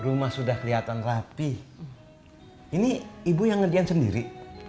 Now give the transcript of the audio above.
rumah sudah kelihatan rapi ini ibu yang ngerjain sendiri